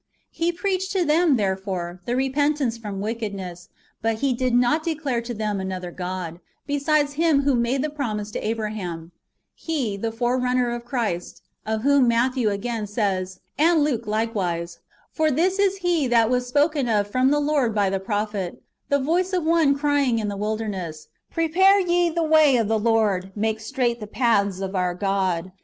^ He preached to them, therefore, the repentance from wickedness, but he did not declare to them another God, besides Him who made the promise to Abraham ; he, the forerunner of Christ, of whom Matthew again says, and Luke likewise, " For this is he that was spoken of from the Lord by the prophet, The voice of one crying in the wilderness. Prepare ye the way of the Lord, make straight the paths of our God.